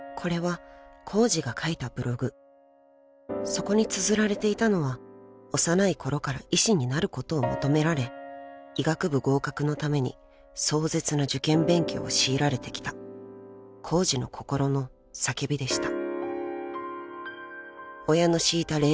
［そこにつづられていたのは幼いころから医師になることを求められ医学部合格のために壮絶な受験勉強を強いられてきたコウジの心の叫びでした］